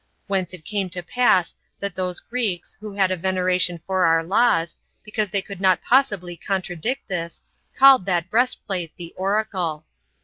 Whence it came to pass that those Greeks, who had a veneration for our laws, because they could not possibly contradict this, called that breastplate the Oracle.